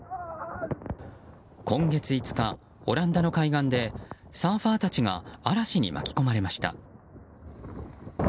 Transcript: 今月５日、オランダの海岸でサーファーたちが嵐に巻き込まれました。